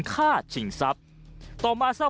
มันกลับมาแล้ว